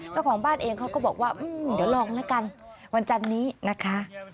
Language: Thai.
เจ้าของบ้านเองเขาก็บอกว่าเดี๋ยวลองแล้วกันวันจันนี้นะคะ